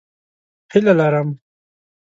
هیله لرم